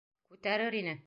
Күтәрер ине!